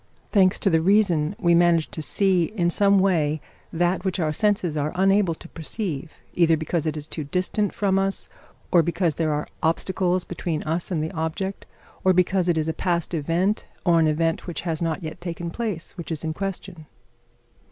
Thanks to the reason, we manage to see in some way that which our senses are unable to perceive, either because it is too distant from us, or because there are obstacles between us and the object, or because it is a past event or an event which has not yet taken place which is in question.